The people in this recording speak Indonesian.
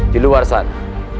di luar sana